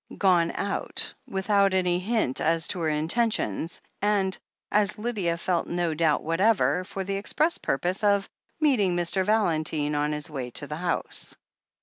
Gone out, without any hint as to her intentions, and, as Lydia felt no doubt whatever, for the express purpose of meeting Mr. Valentine on his way to the house